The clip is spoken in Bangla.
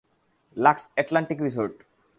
Lux Atlantic resort.